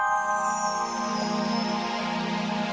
aku ingin memimpinnya